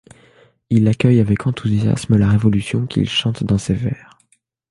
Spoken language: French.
Il accueille avec enthousiasme la Révolution qu'il chante dans ses vers.